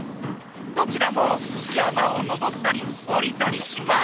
どちらもやまをのぼったりおりたりします。